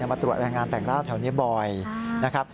มาตรวจแรงงานแต่งกล้าวแถวนี้บ่อยนะครับ